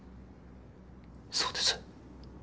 そうです。